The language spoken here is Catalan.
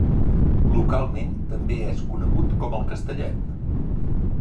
Localment també és conegut com el Castellet.